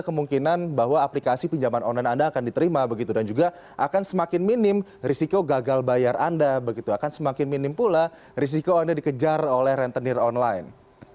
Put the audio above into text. kemungkinan bahwa aplikasi pinjaman online anda akan diterima begitu dan juga akan semakin minim risiko gagal bayar anda begitu akan semakin minim pula risiko anda dikejar oleh rentenir online